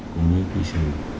cũng như cái sự